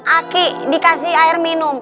aki dikasih air minum